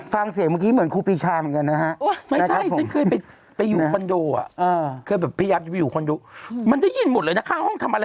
ฟังเสียงเมื่อกี้เหมือนครูปีชาเหมือนกันนะฮะ